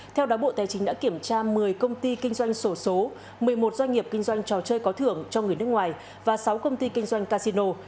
theo đó bộ tài chính đã kiểm tra một mươi công ty kinh doanh sổ số một mươi một doanh nghiệp kinh doanh trò chơi có thưởng cho người nước ngoài và sáu công ty kinh doanh casino